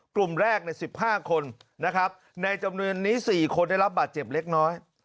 กลุ่มแรก๑๕คนนะครับในจำนวนนี้๔คนได้รับบาดเจ็บเล็กน้อย